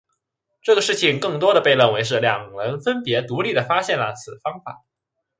这个事情更多地被认为是两人分别独立地发现了此方法。